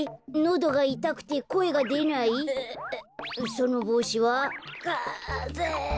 そのぼうしは？かぜ。